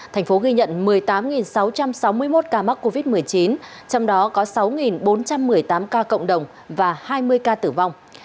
thành phố ghi nhận một mươi tám sáu trăm sáu mươi một ca mắc covid một mươi chín trong đó có sáu bốn trăm một mươi tám ca cộng đồng và hai mươi ca tử vong